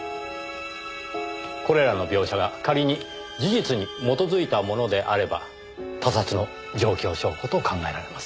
これらの描写が仮に事実に基づいたものであれば他殺の状況証拠と考えられます。